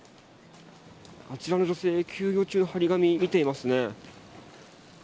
あちらの女性、休業中の貼り紙を見ていますね。